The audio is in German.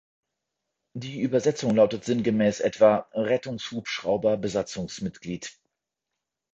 Die Übersetzung lautet sinngemäß etwa Rettungshubschrauber-Besatzungsmitglied.